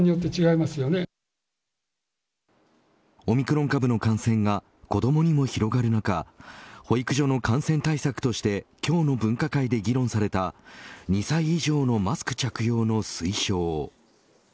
オミクロン株の感染が子どもにも広がる中保育所の感染対策として今日の分科会で議論された２歳以上のマスク着用の推奨。